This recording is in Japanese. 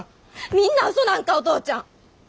みんな嘘なんかお父ちゃん！